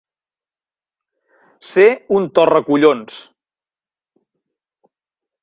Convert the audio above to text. Ser un torracollons.